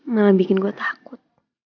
malah bikin gue takut